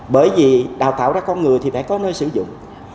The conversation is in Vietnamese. bởi vì đào tạo ra con người thì phải có nơi sử dụng